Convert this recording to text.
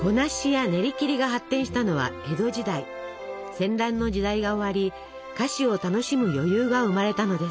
戦乱の時代が終わり菓子を楽しむ余裕が生まれたのです。